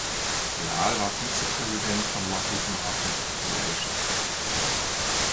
Real war Vizepräsident von Lockheed Martin Corp.